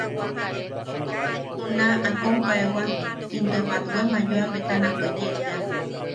Juna a kompaewa into batwe mayoa betana weye tea.